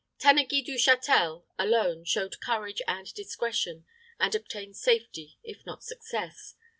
Tanneguy du Châtel alone showed courage and discretion, and obtained safety, if not success.